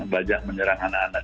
bajak menyerang anak anak